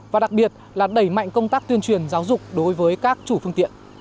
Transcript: và đặc biệt là đẩy mạnh công tác tuyên truyền giáo dục đối với các chủ phương tiện